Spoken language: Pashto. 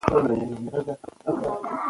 ماشوم د مور له حضور ځان خوندي احساسوي.